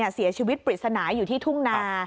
เสียชีวิตปริศนาอยู่ที่ทุ่งนา